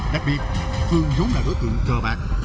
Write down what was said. đặc biệt phương giống là đối tượng cờ bạc